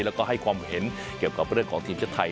แล้วก็ให้ความเห็นเกี่ยวกับเรื่องของทีมชาติไทย